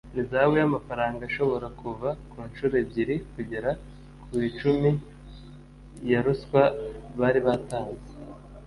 n’ihazabu y’amafaranga ashobora kuva ku nshuro ebyiri kugera ku icumi ya ruswa bari batanze